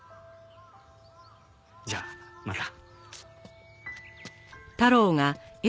じゃあまた。